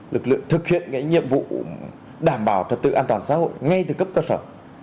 lực lượng thực hiện nhiệm vụ đảm bảo trật tự an toàn xã hội ngay từ cấp cơ sở